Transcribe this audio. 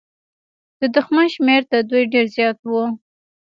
د دښمن شمېر تر دوی ډېر زيات و.